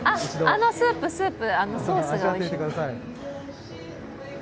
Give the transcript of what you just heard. あのスープ、あのソースがおいしい。